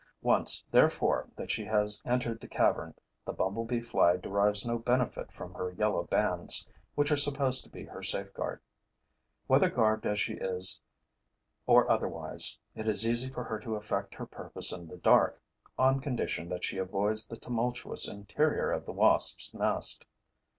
Once, therefore, that she has entered the cavern, the bumblebee fly derives no benefit from her yellow bands, which are supposed to be her safeguard. Whether garbed as she is or otherwise, it is easy for her to effect her purpose in the dark, on condition that she avoids the tumultuous interior of the wasps' nest.